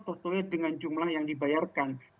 terseluit dengan jumlah yang dibayarkan